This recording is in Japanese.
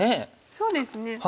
そうですね。